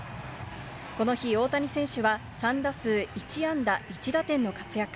この日、大谷選手は３打数１安打１打点の活躍。